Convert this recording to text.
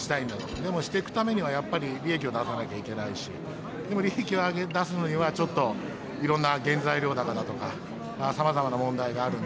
でもしていくためには、やっぱり利益を出さなきゃいけないし、でも利益を出すのには、ちょっといろんな原材料高だとか、さまざまな問題があるんで。